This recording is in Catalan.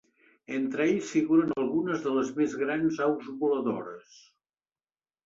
Entre ells figuren algunes de les més grans aus voladores.